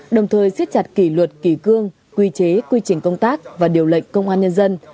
đồng thời xiết chặt kỷ luật kỳ cương quy chế quy trình công tác và điều lệnh công an nhân dân